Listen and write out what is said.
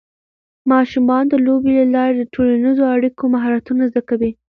ماشومان د لوبو له لارې د ټولنیزو اړیکو مهارتونه زده کوي.